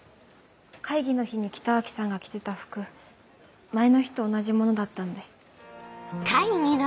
会議の日に北脇さんが着てた服前の日と同じものだったんで。